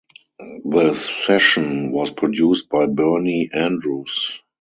The session was produced by Bernie Andrews.